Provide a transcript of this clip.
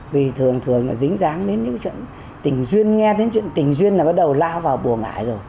vì thường thường nó dính dáng đến những chuyện tình duyên nghe tình duyên là bắt đầu lao vào buồn